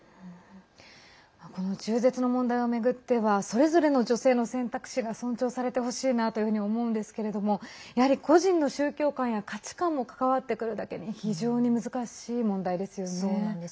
この中絶の問題を巡ってはそれぞれの女性の選択肢が尊重されてほしいなというふうに思うんですけれどもやはり個人の宗教観や価値観も関わってくるだけに非常に難しい問題ですよね。